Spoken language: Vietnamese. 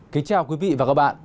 kính chào quý vị và các bạn